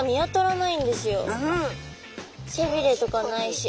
背びれとかないし。